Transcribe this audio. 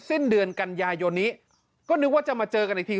สิ้นเดือนกันยายนนี้ก็นึกว่าจะมาเจอกันอีกที